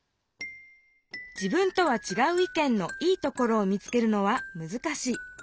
自分とはちがう意見の「いいところ」を見つけるのは難しい。